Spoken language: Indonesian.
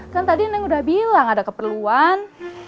kan tadi neng udah bilang ada keperluan